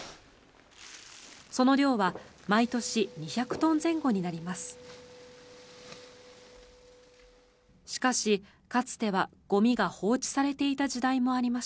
その量は毎年２００トン前後になります。